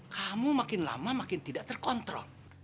kamu makin lama makin tidak terkontrol